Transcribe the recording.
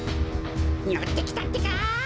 のってきたってか。